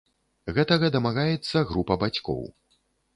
Гэтага дамагаецца група бацькоў.